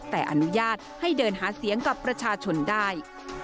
แต่อนุญาตให้เดินหาเสียงกับประชาชนได้